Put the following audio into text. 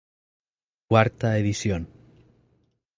Cuarta edición.